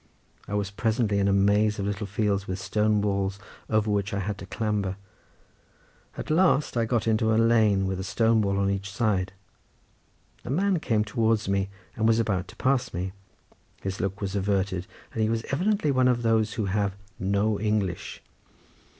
I was presently in a maze of little fields with stone walls over which I had to clamber. At last I got into a lane with a stone wall on each side. A man came towards me and was about to pass me—his look was averted, and he was evidently one of those who have "no English."